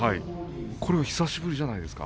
これ久しぶりじゃないですか。